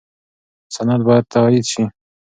سند باید تایید شي.